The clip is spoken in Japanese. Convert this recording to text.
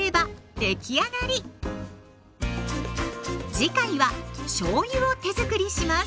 次回はしょうゆを手づくりします。